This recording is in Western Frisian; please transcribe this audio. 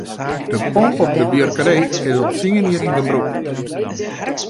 De pomp op de buorkerij is al tsien jier yn gebrûk.